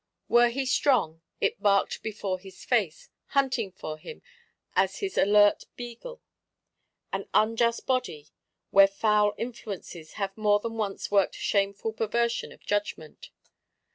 Were he strong, it barked before his face; hunting for him as his alert beagle. An unjust Body; where foul influences have more than once worked shameful perversion of judgment.